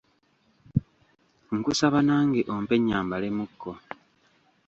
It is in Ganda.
Nkusaba nange ompe nnyambalemukko.